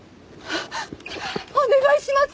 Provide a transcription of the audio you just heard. お願いします！